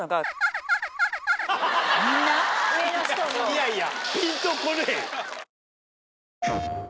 いやいや！